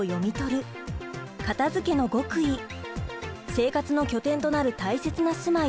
生活の拠点となる大切な住まい